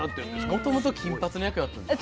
もともと金髪の役やったんです。